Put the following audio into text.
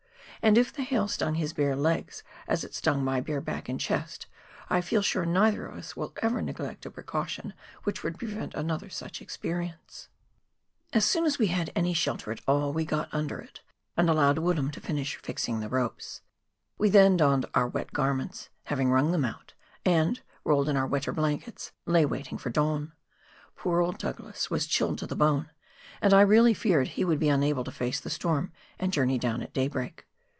And if the hail stung his bare legs as it stung my bare back and chest, I feel sure neither of us will ever neglect a precaution which would prevent another such experience. As soon as we had any shelter at all we got under it, and allowed Woodham to finish fixing the ropes. We then donned our wet garments, having wrung them out, and, rolled in our wetter blankets, lay waiting for dawn. Poor old Douglas was chilled to the bone, and I really feared he would be unable to face the storm and journey down at daybreak.